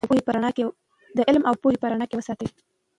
د علم او پوهې په رڼا کې یې وساتو.